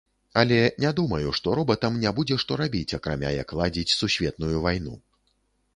Але, не думаю, што робатам не будзе што рабіць, акрамя як ладзіць сусветную вайну.